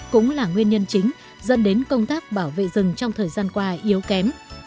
cũng là nguyên nhân chính dẫn đến công tác bảo vệ rừng trong thời gian qua yếu kém